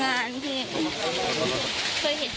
ใครจะเพรื่องได้